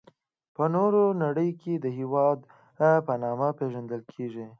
په نوره نړي کي د هیواد په نامه پيژندل کيږي.